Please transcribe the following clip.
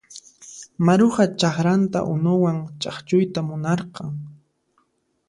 Maruja chakranta unuwan ch'akchuyta munarqan.